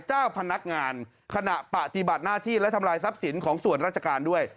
เจ้าพนักงานขณะปฏิบัติหน้าที่และทำลายทรัพย์สินของส่วนราชการด้วย